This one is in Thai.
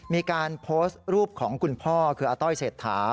มีการโพสต์รูปของคุณพ่อคืออาต้อยเศรษฐา